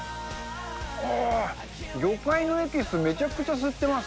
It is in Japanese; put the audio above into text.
おー、魚介のエキス、めちゃくちゃ吸ってます。